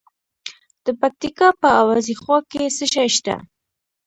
د پکتیکا په وازیخوا کې څه شی شته؟